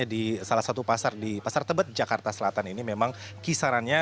di salah satu pasar di pasar tebet jakarta selatan ini memang kisarannya